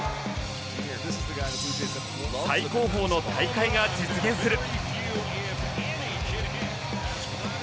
最高峰の大会が実現する！